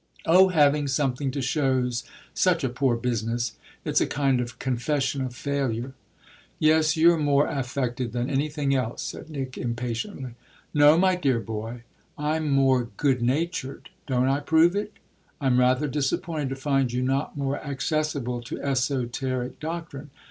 "Oh having something to show's such a poor business. It's a kind of confession of failure." "Yes, you're more affected than anything else," said Nick impatiently. "No, my dear boy, I'm more good natured: don't I prove it? I'm rather disappointed to find you not more accessible to esoteric doctrine.